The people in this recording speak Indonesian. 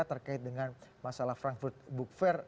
terkait dengan masalah frankfurt book fair